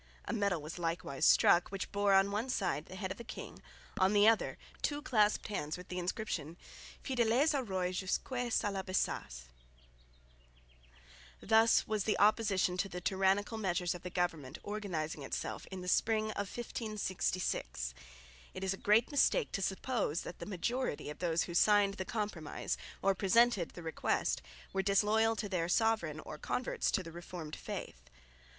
A medal was likewise struck, which bore on one side the head of the king, on the other two clasped hands with the inscription Fidèles au roy jusques à la besace. Thus was the opposition to the tyrannical measures of the government organising itself in the spring of 1566. It is a great mistake to suppose that the majority of those who signed "the Compromise" or presented "the Request" were disloyal to their sovereign or converts to the reformed faith.